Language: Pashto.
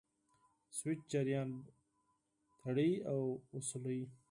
سویچ جریان بندوي او وصلوي.